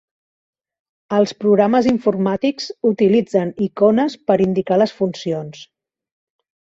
Els programes informàtics utilitzen icones per indicar les funcions.